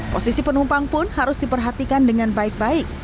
posisi penumpang pun harus diperhatikan dengan baik baik